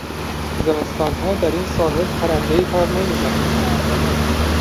زمستانها در این ساحل پرندهای پر نمیزند.